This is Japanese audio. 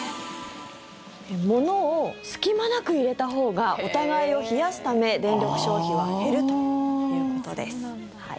物を隙間なく入れたほうがお互いを冷やすため電力消費は減るということです。